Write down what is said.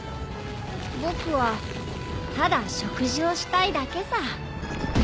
僕はただ食事をしたいだけさ。